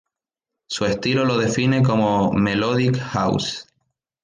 Su estilo lo define como "melodic house".